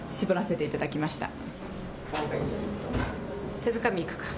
手づかみでいくか。